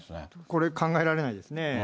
これ、考えられないですね。